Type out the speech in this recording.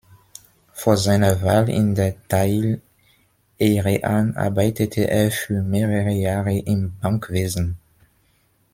Vor seiner Wahl in den Dáil Éireann arbeitete er für mehrere Jahre im Bankwesen.